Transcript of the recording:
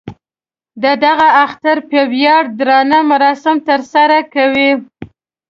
د دغه اختر په ویاړ درانه مراسم تر سره کوي.